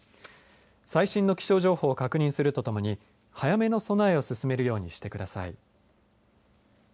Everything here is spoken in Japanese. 最新の気象情報を確認するとともに早めの備えを進めるようにしてください。